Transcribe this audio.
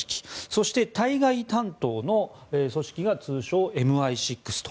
そして、対外担当の組織が通称・ＭＩ６と。